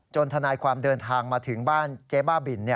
ทนายความเดินทางมาถึงบ้านเจ๊บ้าบิน